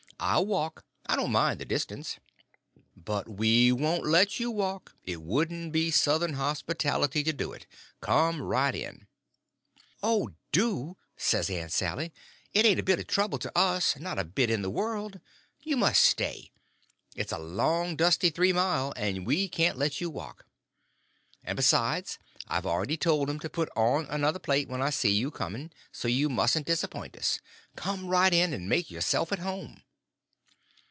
I'll walk—I don't mind the distance." "But we won't let you walk—it wouldn't be Southern hospitality to do it. Come right in." "Oh, do," says Aunt Sally; "it ain't a bit of trouble to us, not a bit in the world. You must stay. It's a long, dusty three mile, and we can't let you walk. And, besides, I've already told 'em to put on another plate when I see you coming; so you mustn't disappoint us. Come right in and make yourself at home."